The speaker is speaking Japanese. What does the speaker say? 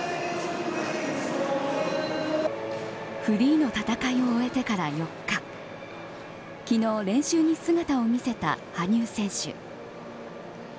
フリーの戦いを終えてから４日昨日、練習に姿を見せた羽生選手。